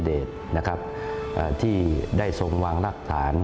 ที่ได้ทรงวังรักษาได้สมัยเกี่ยวของพระเจ้าโดยสนท้องประโยชน์